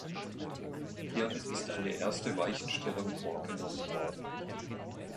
Hiermit ist eine erste Weichenstellung vorgenommen worden.